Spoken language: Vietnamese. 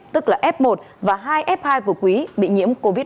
tức là f một và hai f hai của quý bị nhiễm covid một mươi chín